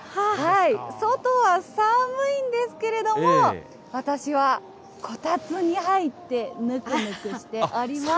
外は寒いんですけれども、私はこたつに入って、ぬくぬくしております。